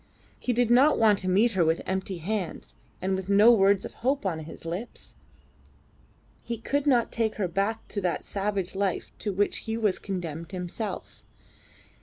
He did not want to meet her with empty hands and with no words of hope on his lips. He could not take her back into that savage life to which he was condemned himself.